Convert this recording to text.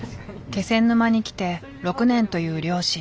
気仙沼に来て６年という漁師。